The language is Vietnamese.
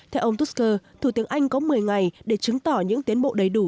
theo ông tuker thủ tướng anh có một mươi ngày để chứng tỏ những tiến bộ đầy đủ